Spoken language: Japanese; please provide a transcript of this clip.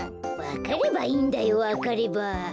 わかればいいんだよわかれば。